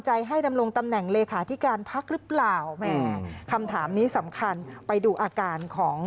จะไปนั่งคุมหัวหน้าพระพันธ์ประชารัฐเลยไหมคะท่าน